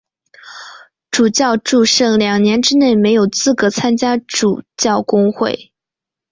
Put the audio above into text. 主教祝圣两年之内没有资格参加主教公会。